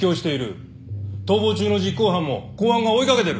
逃亡中の実行犯も公安が追い掛けてる。